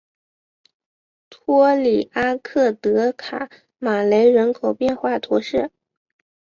托里阿克德卡马雷人口变化图示